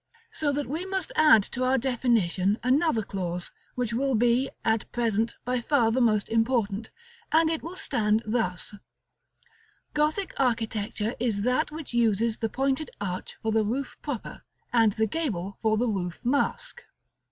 So that we must add to our definition another clause, which will be, at present, by far the most important, and it will stand thus: "Gothic architecture is that which uses the pointed arch for the roof proper, and the gable for the roof mask."